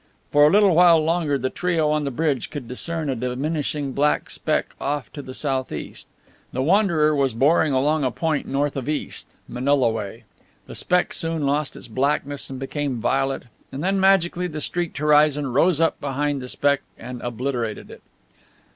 For a little while longer the trio on the bridge could discern a diminishing black speck off to the southeast. The Wanderer was boring along a point north of east, Manila way. The speck soon lost its blackness and became violet, and then magically the streaked horizon rose up behind the speck and obliterated it.